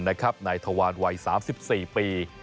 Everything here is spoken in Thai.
นะครับในทวารวัย๓๔ปี